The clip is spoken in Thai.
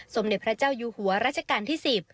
สมเด็จพระเจ้าอยู่หัวรัชกาลที่๑๐